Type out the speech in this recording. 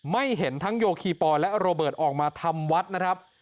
ไม่เห็นทั้งโยคีปอลและโรเบิร์ตออกมาทำวัดนะครับ